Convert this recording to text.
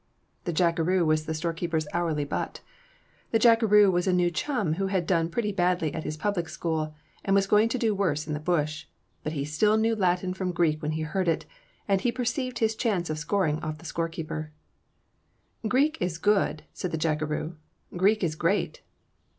The jackeroo was the storekeeper's hourly butt. The jackeroo was a new chum who had done pretty badly at his public school, and was going to do worse in the bush, but he still knew Latin from Greek when he heard it, and he perceived his chance of scoring off the storekeeper. "Greek is good," said the jackeroo. "Greek is great!"